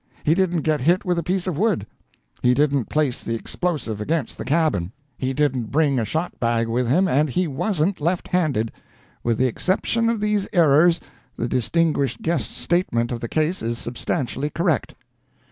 He didn't get hit with a piece of wood. He didn't place the explosive against the cabin. He didn't bring a shot bag with him, and he wasn't left handed. With the exception of these errors, the distinguished guest's statement of the case is substantially correct."